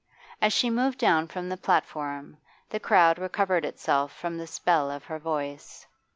As she moved down from the platform the crowd recovered itself from the spell of her voice.